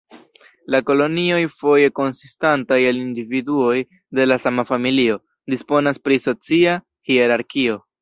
La kolonioj, foje konsistantaj el individuoj de la sama familio, disponas pri socia hierarkio.